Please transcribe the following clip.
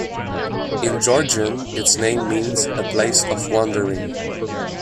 In Georgian, its name means "a place of wandering".